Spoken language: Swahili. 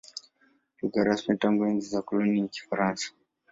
Lugha rasmi tangu enzi za ukoloni ni Kifaransa.